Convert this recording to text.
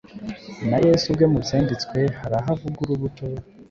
Na Yesu ubwe mu byanditswe hari aho avuga urubuto